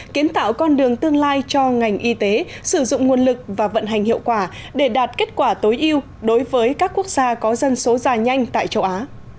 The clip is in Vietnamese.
kiến tạo con đường tương lai cho ngành y tế sử dụng nguồn lực và vận hành hiệu quả để đạt kết quả tối yêu đối với các quốc gia có dân số già nhanh tại châu á